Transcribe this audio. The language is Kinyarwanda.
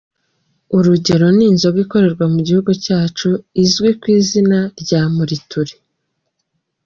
Urugero ni inzoga ikorerwa mu gihugu cyacu izwi kw’izina rya “muriture”.